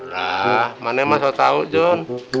lah mana emang so tau jun